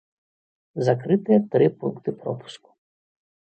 Закрытыя тры пункты пропуску.